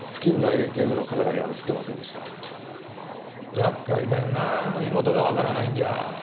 やっかいだよな身元がわからないんじゃ。